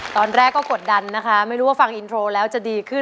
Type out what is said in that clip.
ตอนแรกก็กดดันนะคะไม่รู้ว่าฟังอินโทรแล้วจะดีขึ้น